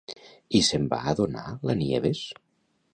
I se'n va adonar, la Nieves?